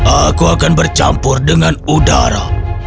aku akan bercampur dengan udara